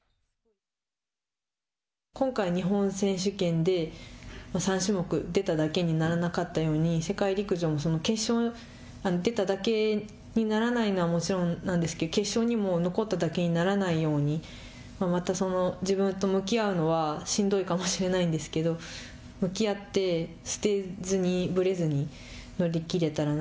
今回日本選手権で３種目出ただけにならなかったように世界陸上も決勝に出ただけにならないのはもちろんなんですけれども決勝にも残っただけにならないようにまた、自分と向き合うのはしんどいかもしれないんですけど向き合ってぶれずに乗り切れたら。